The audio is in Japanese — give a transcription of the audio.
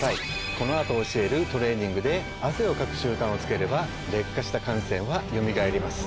この後教えるトレーニングで汗をかく習慣をつければ劣化した汗腺はよみがえります。